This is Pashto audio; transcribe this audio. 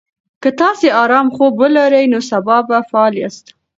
که تاسي ارام خوب ولرئ، نو سبا به فعال یاست.